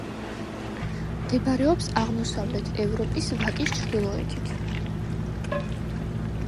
მდებარეობს აღმოსავლეთ ევროპის ვაკის ჩრდილოეთით.